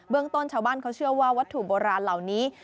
ต้นชาวบ้านเขาเชื่อว่าวัตถุโบราณเหล่านี้